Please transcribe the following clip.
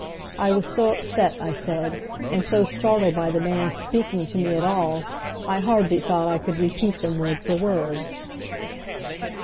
I was so upset, I said, and so startled by the man's speaking to me at all I hardly thought I could repeat them word for word.